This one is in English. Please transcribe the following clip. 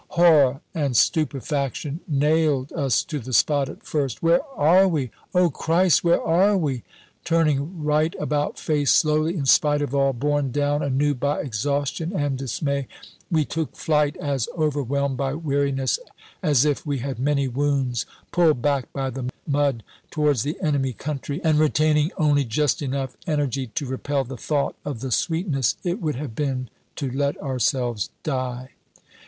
Horror and stupefaction nailed us to the spot at first "Where are we? Oh, Christ, where are we?" Turning right about face, slowly in spite of all, borne down anew by exhaustion and dismay, we took flight, as overwhelmed by weariness as if we had many wounds, pulled back by the mud towards the enemy country, and retaining only just enough energy to repel the thought of the sweetness it would have been to let ourselves die.